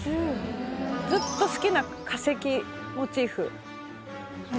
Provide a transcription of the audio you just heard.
ずっと好きな化石モチーフ。